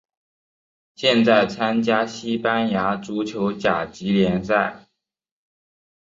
现在参加西班牙足球甲级联赛。